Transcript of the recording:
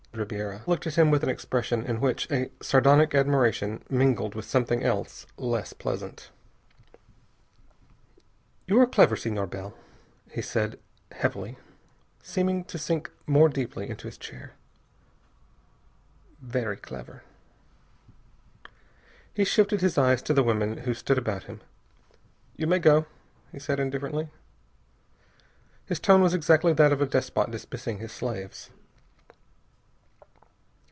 Ribiera looked at him with an expression in which a sardonic admiration mingled with something else less pleasant. "You are clever, Senhor Bell," he said heavily, seeming to sink more deeply into his chair. "Very clever." He shifted his eyes to the women who stood about him. "You may go," he said indifferently. His tone was exactly that of a despot dismissing his slaves.